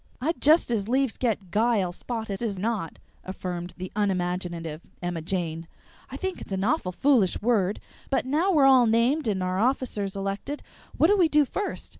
"I'd just as 'lieves get 'guile' spotted as not," affirmed the unimaginative Emma Jane. "I think it's an awful foolish word; but now we're all named and our officers elected, what do we do first?